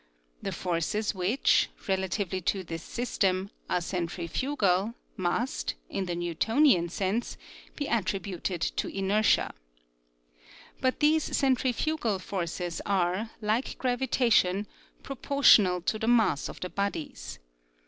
The forces which, relatively to this system, are centrifugal must, in the Newtonian sense, be attributed to in ertia. But these centrifugal forces are, like gravitation, proportional to the mass of the bodies.